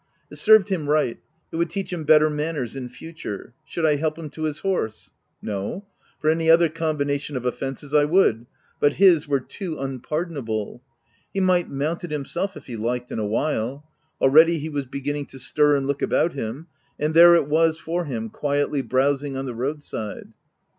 It served him right — it would teach him better manners in future. Should I help him to his horse ? No. For any other combination of offences I would; but his were too unpardon able. He might mount it himself, if he liked — in a while : already he was beginning to stir and look about him — and there it was for him, quietly browsing on the road side.